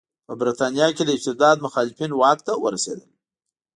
په برېټانیا کې د استبداد مخالفین واک ته ورسېدل.